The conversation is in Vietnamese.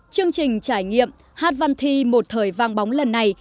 chương trình trải nghiệm hát văn thi một thời vang bóng lần này